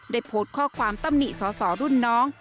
ได้โพสต์ข้อความตำหนิสอสอรุ่นน้อง